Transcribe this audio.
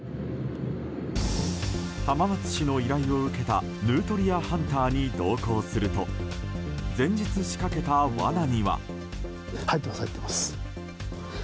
浜松市の依頼を受けたヌートリアハンターに同行すると前日仕掛けた罠には。